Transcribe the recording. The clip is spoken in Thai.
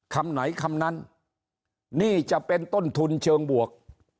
คำไหนคำนั้นนี่จะเป็นต้นทุนเชิงบวก